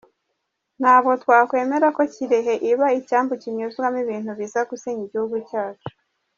Ntabwo twakwemera ko Kirehe iba icyambu kinyuzwamo ibintu biza gusenya igihugu cyacu.